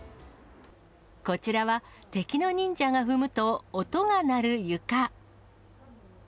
こちらは敵の忍者が踏むと音が鳴る床。